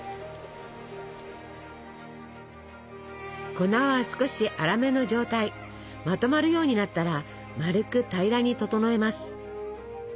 粉は少し粗めの状態まとまるようになったら丸く平らに整えます。